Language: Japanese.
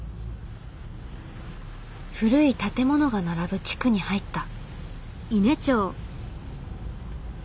古い建物が並ぶ地区に入った。